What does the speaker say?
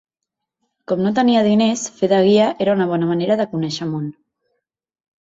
Com no tenia diners, fer de guia era una bona manera de conèixer món.